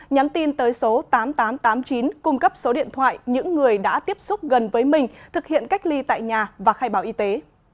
nhắn tin tới số tám nghìn tám trăm tám mươi chín cung cấp số điện thoại những người đã tiếp xúc gần với mình thực hiện cách ly tại nhà và khai báo y tế